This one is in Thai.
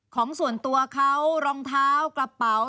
ของส่วนตัวเขารองเท้ากระเป๋า